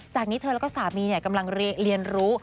จากนี้เธอแล้วก็สามีเนี่ยกำลังเรียนรู้